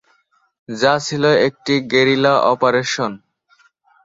যা ছিলো একটি গেরিলা অপারেশন।